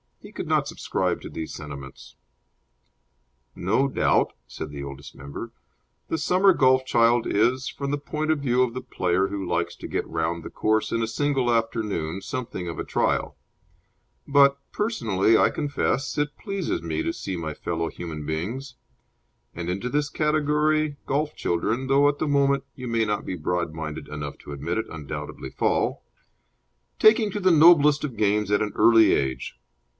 He could not subscribe to these sentiments. No doubt (said the Oldest Member) the summer golf child is, from the point of view of the player who likes to get round the course in a single afternoon, something of a trial; but, personally, I confess, it pleases me to see my fellow human beings and into this category golf children, though at the moment you may not be broad minded enough to admit it, undoubtedly fall taking to the noblest of games at an early age.